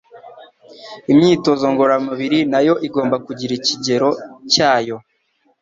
imyitozo ngororamubiri nayo igomba kugira ikigero cyayo